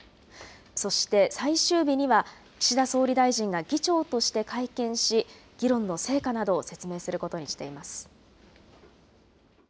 そして、最終日には岸田総理大臣が議長として会見し、議論の成果などを説明することにしています。